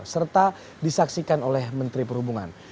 serta disaksikan oleh menteri perhubungan